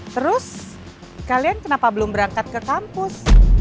terus kalian kenapa belum berangkat ke kampus